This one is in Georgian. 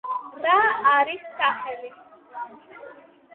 რა არის სახელი